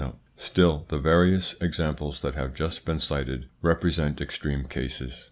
Still, the various examples that have just been cited represent extreme cases.